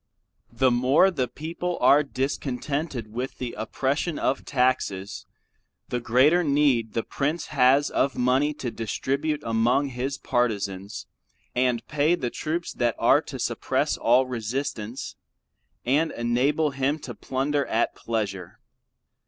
The more the people are discontented with the oppression of taxes; the greater need the prince has of money to distribute among his partizans and pay the troops that are to suppress all resistance, and enable him to plunder at pleasure.